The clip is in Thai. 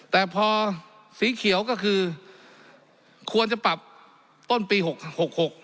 แต่พอสีเขียวก็คือควรจะปรับต้นปีหกหกหก